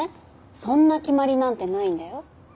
そんな決まりなんてないんだよ。